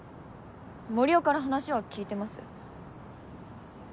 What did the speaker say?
森生から話は聞いてます。